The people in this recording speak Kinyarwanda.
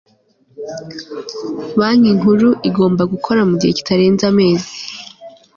banki nkuru igomba gukora mu gihe kitarenze amezi